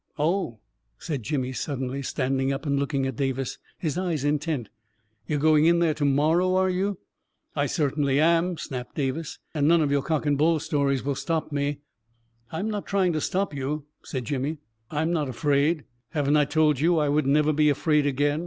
" Oh," said Jimmy, suddenly standing up and looking at Davis, his eyes intent; " you're going in there to morrow, are you ?"" I certainly am," snapped Davis, " and none of your cock and bull stories will stop me!" " I'm not trying to stop you," said Jimmy. " I'm not afraid! Haven't I told you I would never be afraid again?